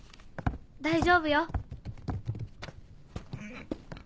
大丈夫よ。